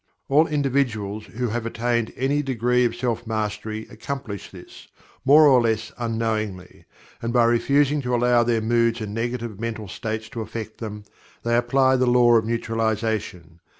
All individuals who have attained any degree of self mastery, accomplish this, more or less unknowingly, and by refusing to allow their moods and negative mental states to affect them, they apply the Law of Neutralization.